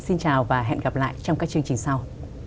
xin chào và hẹn gặp lại trong các chương trình sau